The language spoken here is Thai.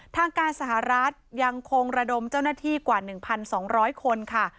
ทางการสหรัฐยังคงระดมเจ้าหน้าที่กว่า๑๒๐๐คนค่ะ